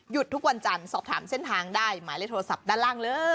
ทุกวันจันทร์สอบถามเส้นทางได้หมายเลขโทรศัพท์ด้านล่างเลย